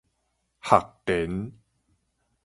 學田